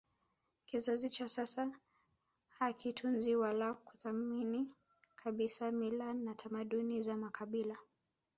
Kizazi cha sasa hakitunzi wala kuthamini kabisa mila na tamaduni za makabila yake